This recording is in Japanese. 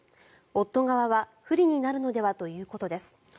夫側は不利になるのではということです。